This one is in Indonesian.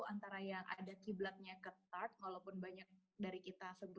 antara yang ada kiblatnya ke tart walaupun banyak dari kita sebutnya pie